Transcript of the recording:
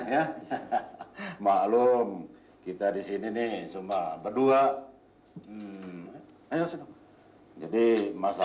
sampai jumpa di video selanjutnya